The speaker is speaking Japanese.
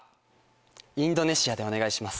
「インドネシア」でお願いします。